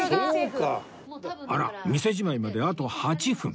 あら店じまいまであと８分